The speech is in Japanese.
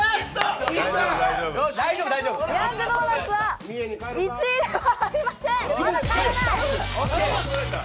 ヤングドーナツは１位ではありません！